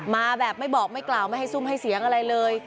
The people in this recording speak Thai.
มาแบบไม่บอกไม่กล่าวไม่ให้ซุ่มให้เสียงอะไรเลย